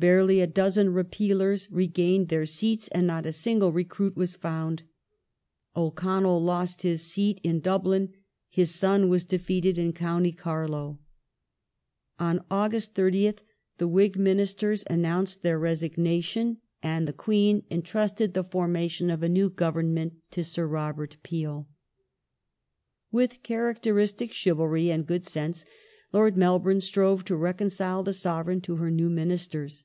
1 barely a dozen Repealers regained their seats, and not a single recruit was found. O'Connell himself lost his seat in Dublin ; his son was defeated in County Carlow. On August 30th the Whig Ministei s announced their resigna 144 THE FIRST YEARS OF THE NEW REIGN [1837 Close of Mel bourne's career tion, and the Queen entrusted the formation of a new Government to Sir Robert Peel. With characteristic chivalry and good sense Lord Melbourne strove to reconcile the Sovereign to her new Ministers.